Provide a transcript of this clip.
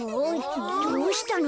どうしたの？